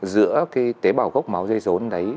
giữa cái tế bào gốc máu dây dốn đấy